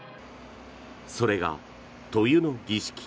それが塗油の儀式。